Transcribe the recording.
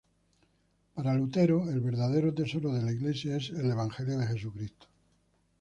Para Lutero, el verdadero tesoro de la Iglesia es el evangelio de Jesucristo.